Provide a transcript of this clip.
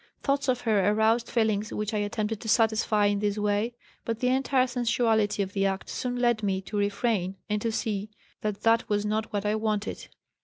Thoughts of her aroused feelings which I attempted to satisfy in this way, but the entire sensuality of the act soon led me to refrain and to see that that was not what I wanted.